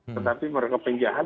tetapi mereka penjahat